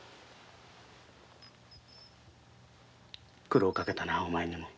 苦労かけたなお前にも。